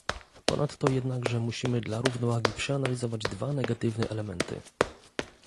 Ponadto jednakże musimy dla równowagi przeanalizować dwa negatywne elementy